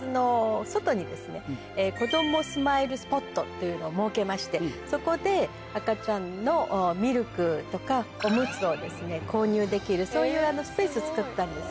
というのを設けましてそこで赤ちゃんのミルクとかおむつを購入できるそういうスペースつくったんです。